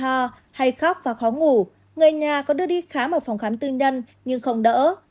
ho hay khóc và khó ngủ người nhà có đưa đi khám ở phòng khám tư nhân nhưng không đỡ